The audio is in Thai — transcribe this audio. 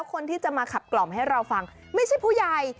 ขับกล่อมให้เราฟังไม่ใช่ผู้ใหญ่